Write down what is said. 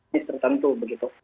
bis tertentu begitu